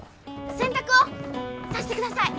洗濯をさしてください。